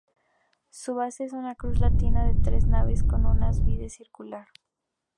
Su base es una cruz latina de tres naves con un ábside circular.